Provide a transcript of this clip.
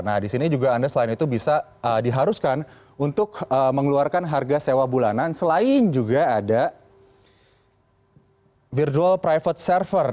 nah di sini juga anda selain itu bisa diharuskan untuk mengeluarkan harga sewa bulanan selain juga ada virtual private server